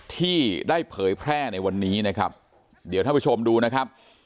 ที่ได้เผยแพร่ในวันนี้นะครับเดี๋ยวท่านผู้ชมดูนะครับ